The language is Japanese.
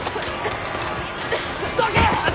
どけ！